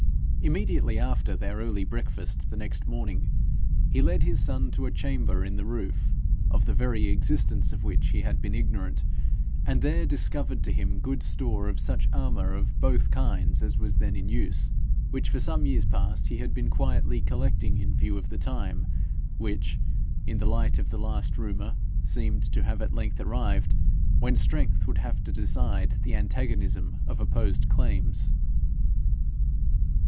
Immediately after their early breakfast the next morning, he led his son to a chamber in the roof, of the very existence of which he had been ignorant, and there discovered to him good store of such armour of both kinds as was then in use, which for some years past he had been quietly collecting in view of the time which, in the light of the last rumour, seemed to have at length arrived when strength would have to decide the antagonism of opposed claims.